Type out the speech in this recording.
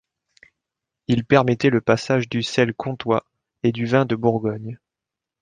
Il permettait le passage du sel comtois et du vin de Bourgogne.